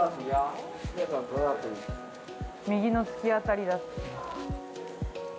右の突き当たりだって。